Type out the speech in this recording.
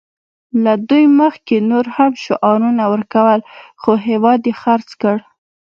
له دوی مخکې نورو هم شعارونه ورکول خو هېواد یې خرڅ کړ